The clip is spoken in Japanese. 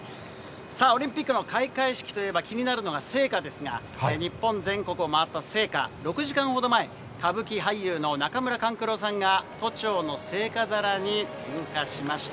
さあ、オリンピックの開会式といえば、気になるのが聖火ですが、日本全国を回った聖火、６時間ほど前、歌舞伎俳優の中村勘九郎さんが、都庁の聖火皿に点火しました。